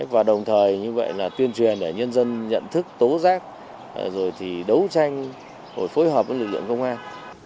và đồng thời như vậy là tuyên truyền để nhân dân nhận thức tố giác rồi thì đấu tranh rồi phối hợp với lực lượng công an